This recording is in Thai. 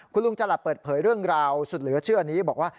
คุณลุงจรัสเปิดเผยเรื่องราวสุดเหลือเชื่อนี้บอกว่า